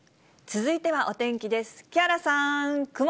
続いてはお天気です。